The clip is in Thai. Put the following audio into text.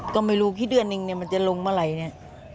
ก็ไม่รู้ที่เดือนหนึ่งมันจะลงเมื่อไหร่นี่